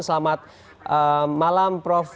selamat malam prof